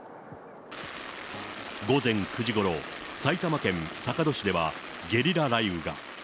午前９時ごろ、埼玉県坂戸市ではゲリラ雷雨が。